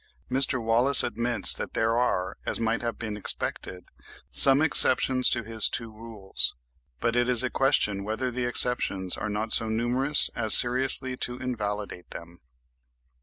Mr. Wallace admits that there are, as might have been expected, some exceptions to his two rules, but it is a question whether the exceptions are not so numerous as seriously to invalidate them.